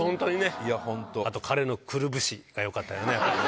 あと彼のくるぶしがよかったよね。